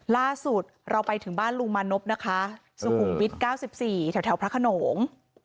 ล่าสุดเราไปถึงบ้านลุงมานพนะคะสูงหุ่นวิทย์เก้าสิบสี่แถวแถวพระขนง